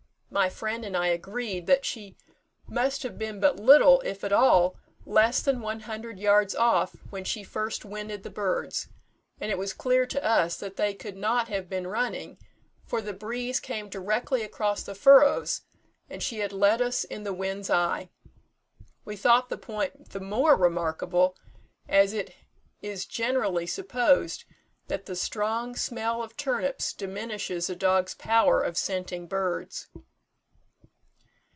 My friend and I agreed that she must have been but little, if at all, less than one hundred yards off when she first winded the birds; and it was clear to us that they could not have been running, for the breeze came directly across the furrows, and she had led us in the wind's eye. We thought the point the more remarkable, as it is generally supposed that the strong smell of turnips diminishes a dog's power of scenting birds."